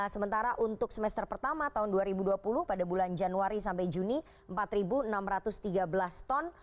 sementara untuk semester pertama tahun dua ribu dua puluh pada bulan januari sampai juni empat enam ratus tiga belas ton